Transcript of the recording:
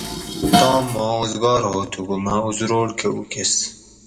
توم ما اوزگار ہو تھُکو مہ ازروٹ کہ اُکس